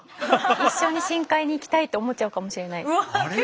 一緒に深海に行きたいって思っちゃうかもしれないです。